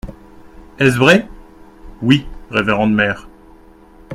Est-ce vrai ? Oui, révérende mère.